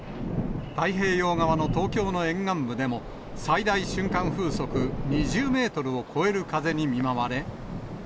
太平洋側の東京の沿岸部でも、最大瞬間風速２０メートルを超える風に見舞われ。